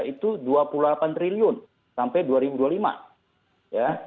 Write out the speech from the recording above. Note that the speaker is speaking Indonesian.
itu dua puluh delapan triliun sampai dua ribu dua puluh lima ya